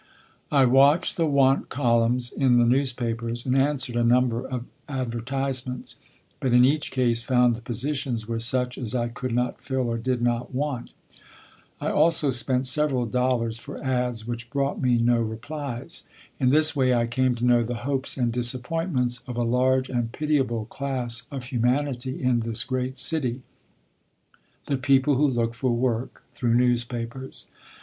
I watched the "want" columns in the newspapers and answered a number of advertisements, but in each case found the positions were such as I could not fill or did not want. I also spent several dollars for "ads" which brought me no replies. In this way I came to know the hopes and disappointments of a large and pitiable class of humanity in this great city, the people who look for work through the newspapers.